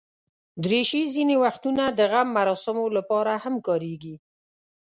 دریشي ځینې وختونه د غم مراسمو لپاره هم کارېږي.